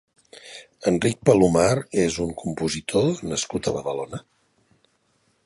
Enric Palomar és un compositor nascut a Badalona.